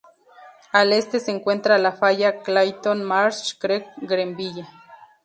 Al este se encuentra la Falla Clayton-Marsh Creek-Greenville.